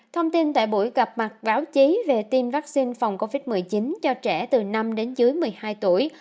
thông tin tại buổi gặp mặt báo chí về tiêm vaccine phòng covid một mươi chín cho trẻ từ năm đến dưới một mươi hai tuổi